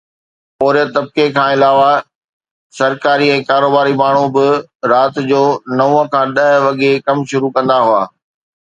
پورهيت طبقي کان علاوه سرڪاري ۽ ڪاروباري ماڻهو به رات جو نو کان ڏهه وڳي ڪم شروع ڪندا هئا